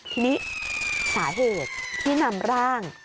ทีนี้สาเหตุที่นำร่าง